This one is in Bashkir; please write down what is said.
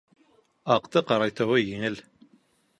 Аҡты ҡарайтыуы еңел.